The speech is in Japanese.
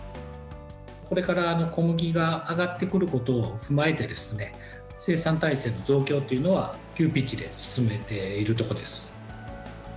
これから小麦が上がってくることを踏まえてですね、生産体制の増強というのは、急ピッチで進めているところです。